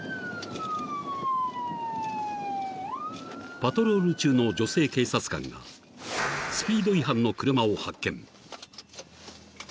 ［パトロール中の女性警察官がスピード違反の車を発見］